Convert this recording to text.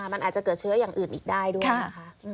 มันอาจจะเกิดเชื้ออย่างอื่นอีกได้ด้วยนะคะ